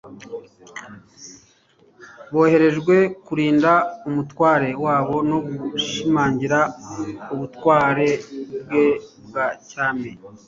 boherejwe kurinda umutware wabo no gushimarigira ubutware bwe bwa cyami.